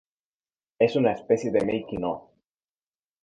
Es una especie de "Making-of".